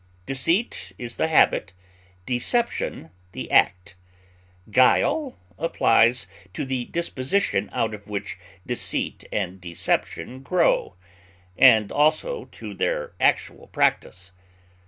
Deceit is the habit, deception the act; guile applies to the disposition out of which deceit and deception grow, and also to their actual practise.